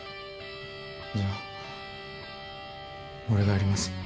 じゃあ俺がやります。